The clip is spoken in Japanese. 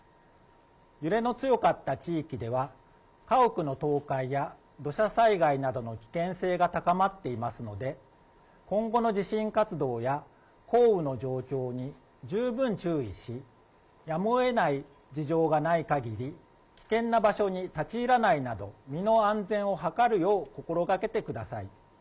揺れの強かった地域では、家屋の倒壊や土砂災害などの危険性が高まっていますので、今後の地震活動や降雨の状況に十分注意し、やむをえない事情がないかぎり、危険な場所に立ち入らないなど、身の安全を図るよう心がけてください。